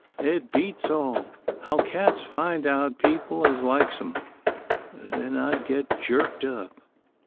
It beats all, how cats find out people as likes 'em. Then I'd get jerked up."